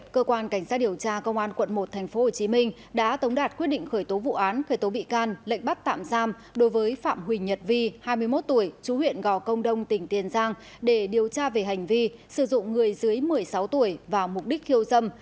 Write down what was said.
cơ quan cảnh sát điều tra công an quận một tp hcm đã tống đạt quyết định khởi tố vụ án khởi tố bị can lệnh bắt tạm giam đối với phạm huỳnh nhật vi hai mươi một tuổi chú huyện gò công đông tỉnh tiền giang để điều tra về hành vi sử dụng người dưới một mươi sáu tuổi vào mục đích khiêu dâm